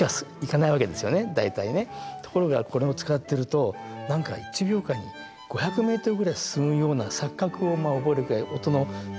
ところがこれを使ってると何か１秒間に５００ｍぐらい進むような錯覚を覚えるぐらい音の立ち上がりがいいんですね。